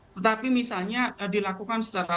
tetapi misalnya dilakukan secara